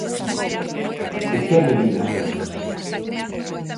E ¿que medidas vemos?